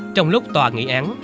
trong lúc tòa nghỉ án